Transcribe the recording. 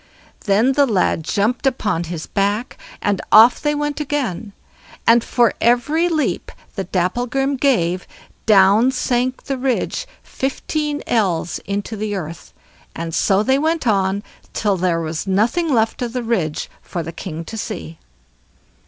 Then the lad jumped upon his back, and off they went again; and for every leap that Dapplegrim gave, down sank the ridge fifteen ells into the earth, and so they went on till there was nothing left of the ridge for the king to see.